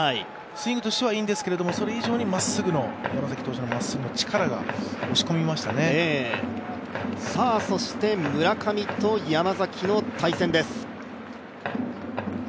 スイングとしてはいいんですけれども、それ以上の山崎投手のまっすぐのそして村上と山崎の対戦です。